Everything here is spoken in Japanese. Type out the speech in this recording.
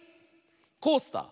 「コースター」。